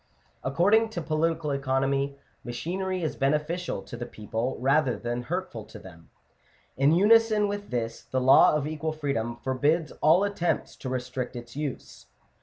Ac* cording to political economy, machinery is beneficial to the people, rather than hurtful to them : in unison with this the law of equal freedom forbids all attempts to restrict its use.